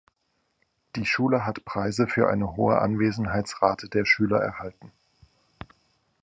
Die Schule hat Preise für eine hohe Anwesenheitsrate der Schüler erhalten.